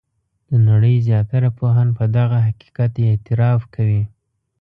د نړۍ زیاتره پوهان په دغه حقیقت اعتراف کوي.